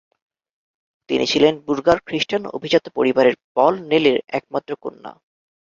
তিনি ছিলেন বুরগার খ্রিস্টান অভিজাত পরিবারের পল নেলের একমাত্র কন্যা।